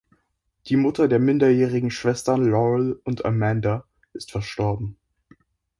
Die Mutter der minderjährigen Schwestern Laurel und Amanda ist verstorben.